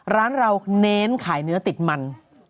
ร้านเราเน้นขายเนื้อติดมัน